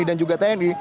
dan juga tni